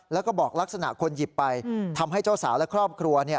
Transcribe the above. แล้วก็บอกลักษณะคนหยิบไปทำให้เจ้าสาวและครอบครัว